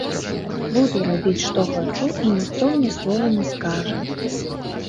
Буду рабіць што хачу, і ніхто мне слова не скажа.